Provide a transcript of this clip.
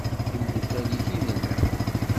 D imdukal-ik i nella.